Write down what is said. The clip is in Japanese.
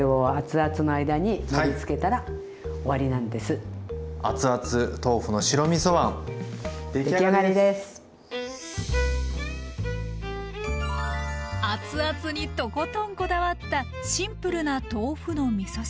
あつあつにとことんこだわったシンプルな豆腐のみそ汁。